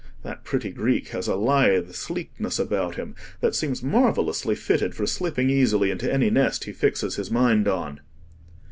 That pretty Greek has a lithe sleekness about him, that seems marvellously fitted for slipping easily into any nest he fixes his mind on."